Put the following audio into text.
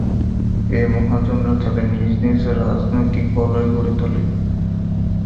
এ মহাজনরা তাদের নিজ নিজ রাজনৈতিক বলয় গড়ে তোলে।